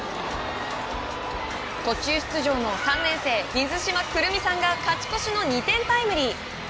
途中出場の３年生水島来望さんが勝ち越しの２点タイムリー。